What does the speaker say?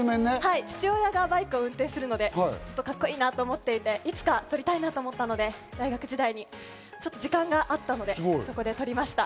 父親がバイクを運転するので、カッコいいなと思ってて、いつか取りたいなと思っていたので大学時代にちょっと時間があったので、そこで取りました。